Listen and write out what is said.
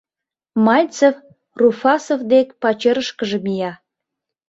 Мальцев Руфасов дек пачерышкыже мия.